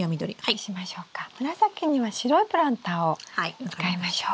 紫には白いプランターを使いましょう。